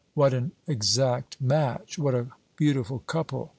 "What an exact match!" "What a beautiful couple!"